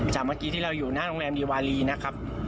เมื่อกี้ที่เราอยู่หน้าโรงแรมดีวารีนะครับ